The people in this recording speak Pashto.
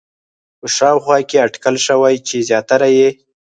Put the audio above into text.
په شاوخوا کې اټکل شوی چې زیاتره یې